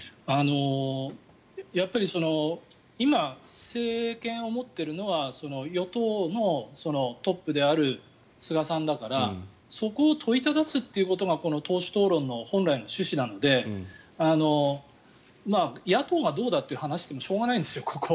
やっぱり今、政権を持っているのは与党のトップである菅さんだからそこを問いただすということが党首討論の本来の趣旨なので野党がどうだという話をしてもしょうがないんですよ。